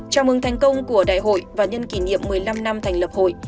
chào mừng thành công của đại hội và nhân kỷ niệm một mươi năm năm thành lập hội